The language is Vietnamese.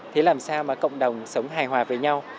thế làm sao mà cộng đồng sống hài hòa với nhau